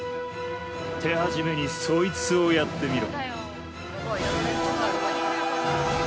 手始めに、そいつをやってみろ。